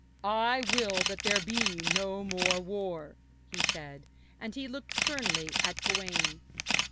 'I will that there be no more war,' he said, and he looked sternly at Gawaine.